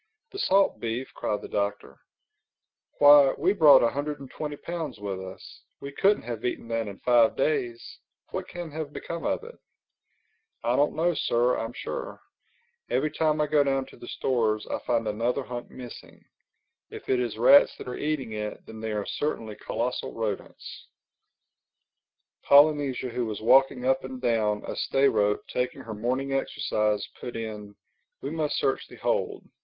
"The salt beef!" cried the Doctor. "Why, we brought a hundred and twenty pounds with us. We couldn't have eaten that in five days. What can have become of it?" [Illustration: "In these lower levels we came upon the shadowy shapes of dead ships" Page 360] "I don't know, Sir, I'm sure. Every time I go down to the stores I find another hunk missing. If it is rats that are eating it, then they are certainly colossal rodents." Polynesia who was walking up and down a stay rope taking her morning exercise, put in, "We must search the hold.